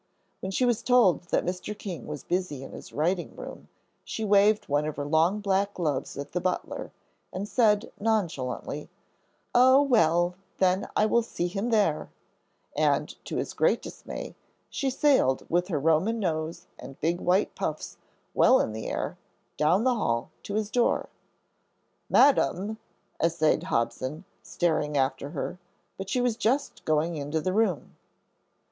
When she was told that Mr. King was busy in his writing room, she waved one of her long black gloves at the butler, and said nonchalantly, "Oh, well, then I will see him there," and, to his great dismay, she sailed, with her Roman nose and big white puffs well in the air, down the hall to his door. "Madam," essayed Hobson, starting after her, but she was just going into the room.